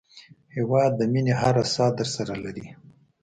هېواد د مینې هره ساه درسره لري.